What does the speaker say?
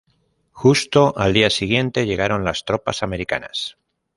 Justo al día siguiente, llegaron las tropas americanas.